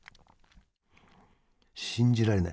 信じられない。